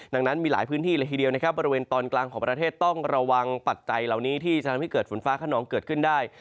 ดังนั้นมีหลายพื้นที่เลยทีเดียวนะครับบริเวณตอนกลางของประเทศต้องระวังปัจจัยเหล่านี้ที่จะทำให้เกิดฝนฟ้าขนองเกิดขึ้นได้